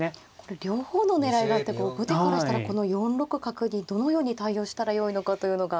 両方の狙いがあって後手からしたらこの４六角にどのように対応したらよいのかというのが。